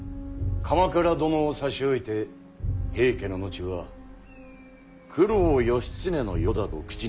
鎌倉殿を差し置いて平家の後は九郎義経の世だと口にする者も。